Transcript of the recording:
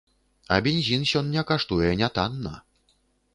А бензін сёння каштуе нятанна.